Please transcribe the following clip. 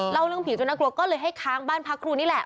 เล่าเรื่องผีจนน่ากลัวก็เลยให้ค้างบ้านพักครูนี่แหละ